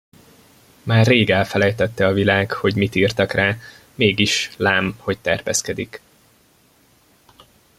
Már rég elfelejtette a világ, hogy mit írtak rá, mégis, lám, hogy terpeszkedik!